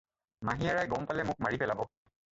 মাহীয়েৰাই গম পালে মোক মাৰি পেলাব।